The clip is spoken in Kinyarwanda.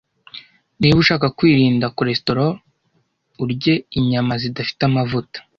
Niba ushaka kwirinda cholesterol, urye inyama zidafite amavuta.